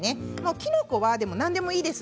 きのこなら何でもいいです。